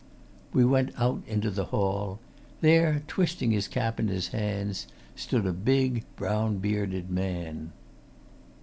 We went out into the hall. There, twisting his cap in his hands, stood a big, brown bearded man.